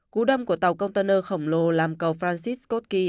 cú đâm của tàu container khổng lồ làm cầu francis scott key